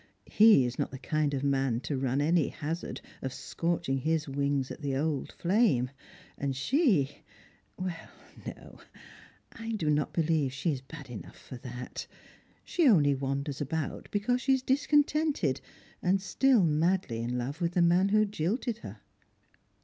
He is not the kind of man to run any hazard of scorching his wings at the old flame, and she — well, no, I do not believe she is bad enough for that. She only wanders about because she is discontented, and still madly in love with the man who jilted her."